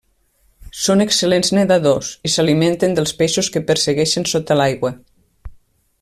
Són excel·lents nedadors i s'alimenten dels peixos que persegueixen sota l'aigua.